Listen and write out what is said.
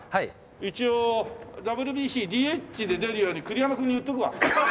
一応ＷＢＣＤＨで出るように栗山君に言っておくわ。